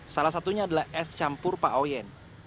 salah satunya adalah es campur paoyen